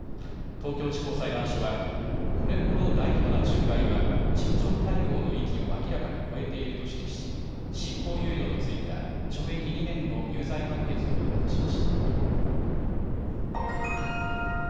東京地方裁判所はこれほど大規模な仲介は陳情対応の域を明らかに超えていると指摘し執行猶予の付いた懲役２年の有罪判決を言い渡しました。